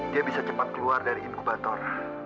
dia bisa cepat keluar dari inkubator